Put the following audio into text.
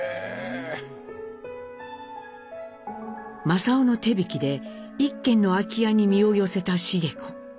雅夫の手引きで一軒の空き家に身を寄せた繁子。